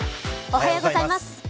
おはようございます。